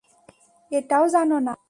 এটাও জানো না?